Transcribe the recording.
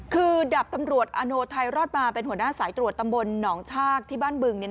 คือดับตำรวจอโนไทยรอดมาเป็นหัวหน้าสายตรวจตำบลหนองชากที่บ้านบึง